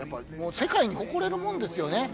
世界に誇れるものですよね。